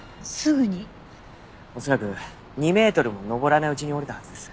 恐らく２メートルも登らないうちに折れたはずです。